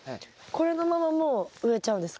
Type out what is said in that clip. これのままもう植えちゃうんですか？